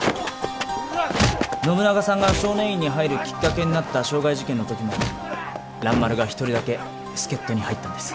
信長さんが少年院に入るきっかけになった傷害事件のときも蘭丸が１人だけ助っ人に入ったんです。